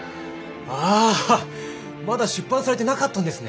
ああまだ出版されてなかったんですね。